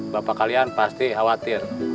bapak kalian pasti khawatir